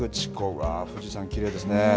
わー、富士山きれいですね。